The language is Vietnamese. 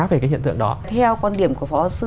về cái hiện tượng đó theo quan điểm của phó sư